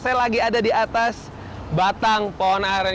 saya lagi ada di atas batang pohon aren